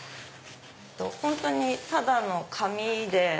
本当にただの紙で。